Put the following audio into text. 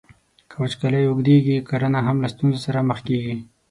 که وچکالۍ اوږدیږي، کرنه هم له ستونزو سره مخ کیږي.